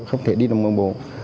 không thể đi đường bộ